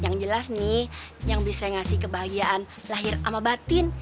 yang jelas nih yang bisa ngasih kebahagiaan lahir sama batin